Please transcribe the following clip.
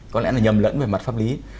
có lẽ là nhầm lẫn về mặt pháp lý